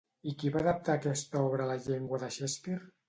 I qui va adaptar aquesta obra a la llengua de Shakespeare?